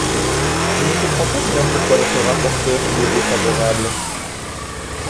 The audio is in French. Je ne comprends pas bien pourquoi notre rapporteure y est défavorable.